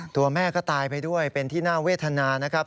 ตัวแม่ก็ตายไปด้วยเป็นที่น่าเวทนานะครับ